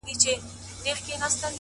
نور خپلي ويني ته شعرونه ليكو”